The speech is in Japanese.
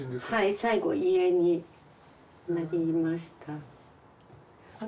最後遺影になりました。